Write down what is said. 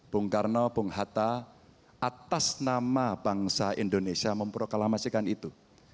bung karno bung hatta atas nama bangsa indonesia memproklamasikan itu